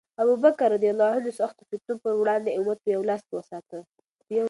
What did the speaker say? ابوبکر رض د سختو فتنو پر وړاندې امت په یو لاس کې وساته.